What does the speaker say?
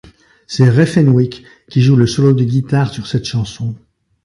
C'est Ray Fenwick qui joue le solo de guitare sur cette chanson.